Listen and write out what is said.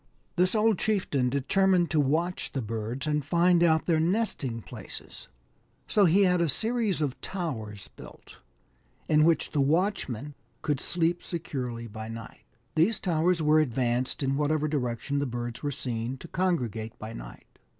This old chieftain determined to watch the birds,, and find out their nesting places ; so he had a series of towers built, in which the watchmen could sleep securely by night. These towers were advanced in whatever direction the birds were seen to congregate by night.